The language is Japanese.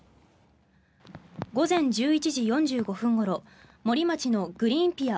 午前１１時４５分ごろ森町のグリーンピア